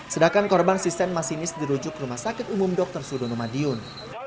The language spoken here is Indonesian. sedangkan korban sistem masinis dirujuk rumah sakit umum dr sudunumadiun